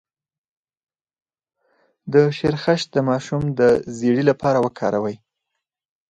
د شیرخشت د ماشوم د ژیړي لپاره وکاروئ